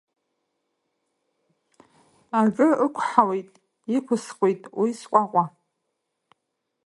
Акы ықәҳауеит, иқәысхуеит уи сҟәаҟәа…